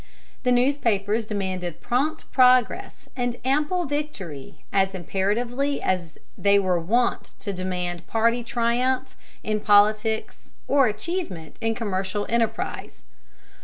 The newspapers demanded prompt progress and ample victory as imperatively as they were wont to demand party triumph in politics or achievement in commercial enterprise.